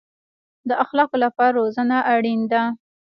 د اخلاقو لپاره روزنه اړین ده